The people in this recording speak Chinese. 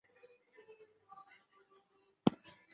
对面为台大医院与台大医学院。